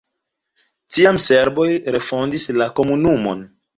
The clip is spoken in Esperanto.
Tiam serboj refondis la komunumon.